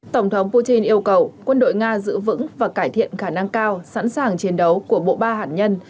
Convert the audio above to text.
tổng thống putin yêu cầu quân đội nga giữ vững và cải thiện khả năng cao sẵn sàng chiến đấu của bộ ba hạt nhân